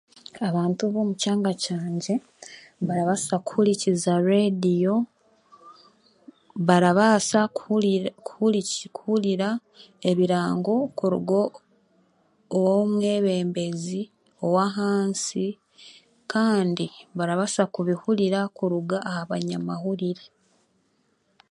Abantu b'omu kyanga kyangye barabaasa kuhurikiriza reediyo, barabaasa kuriri kurhuriki kuhurira ebirango kuruga owoow'omwebembezi ow'ahansi kandi barabaasa kubihurira kuruga aha banyamahurire.